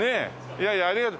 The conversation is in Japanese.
いやいやありがとう。